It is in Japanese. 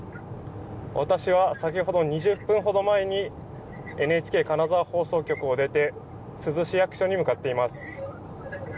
私は先ほど２０分ほど前にＮＨＫ金沢放送局を出て珠洲市役所に向かっています。